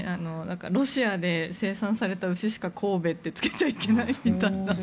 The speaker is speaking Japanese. ロシアで生産された牛しか神戸ってつけちゃいけないみたいな。